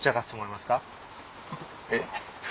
えっ？